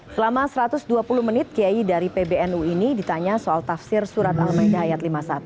selama satu ratus dua puluh menit kiai dari pbnu ini ditanya soal tafsir surat al maidah ⁇ ayat lima puluh satu